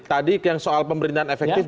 tadi yang soal pemerintahan efektif